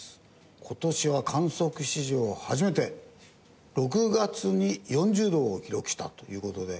今年は観測史上初めて６月に４０度を記録したという事で。